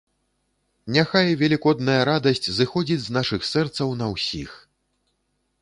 Няхай велікодная радасць зыходзіць з нашых сэрцаў на ўсіх!